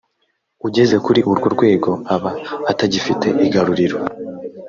ugeze kuriurwo rwego aba atagifite igaruriro